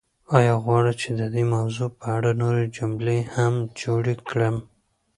ایا غواړئ چې د دې موضوع په اړه نورې جملې هم جوړې کړم؟